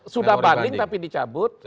sudah banding tapi dicabut